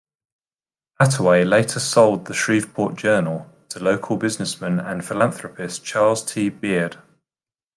Attaway later sold the "Shreveport Journal" to local businessman and philanthropist Charles T. Beaird.